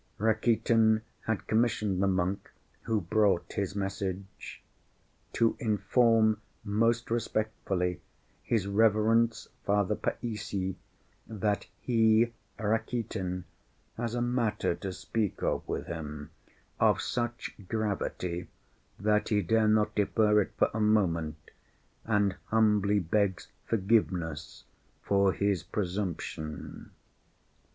Rakitin had commissioned the monk who brought his message "to inform most respectfully his reverence Father Païssy, that he, Rakitin, has a matter to speak of with him, of such gravity that he dare not defer it for a moment, and humbly begs forgiveness for his presumption."